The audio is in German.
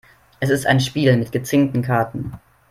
Es ist ein Spiel mit gezinkten Karten.